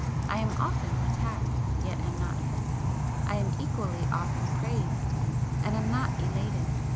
I am often attacked, yet am not hurt; I am equally often praised, and am not elated.